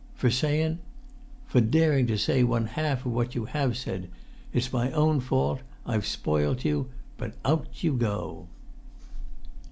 "For sayun——" "For daring to say one half of what you have said! It's my own fault. I've spoilt you; but out you go."